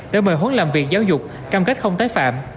đã mời huấn làm việc giáo dục cam kết không tái phạm